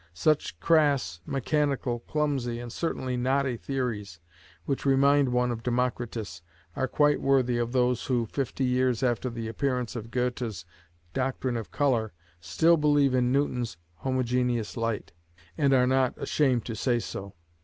Such crass, mechanical, clumsy, and certainly knotty theories, which remind one of Democritus, are quite worthy of those who, fifty years after the appearance of Goethe's doctrine of colour, still believe in Newton's homogeneous light, and are not ashamed to say so.